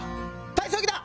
体操着だ！